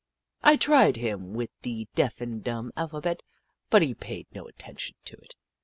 I tried him with the deaf and dumb alpha bet, but he paid no attention to it.